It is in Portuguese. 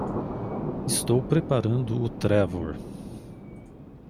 Estou preparando o Trevor!